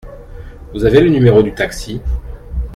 Vous avez le numéro du taxi ?